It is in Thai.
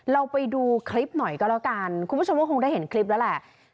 เราไปดูคลิปหน่อยก็แล้วกันคุณผู้ชมก็คงได้เห็นคลิปแล้วแหละ